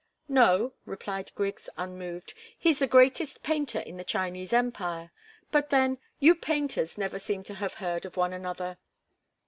"No," replied Griggs, unmoved. "He's the greatest painter in the Chinese Empire. But then, you painters never seem to have heard of one another."